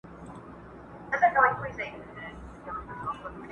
یو چرسي ورته زنګیږي یو بنګي غورځوي څوڼي!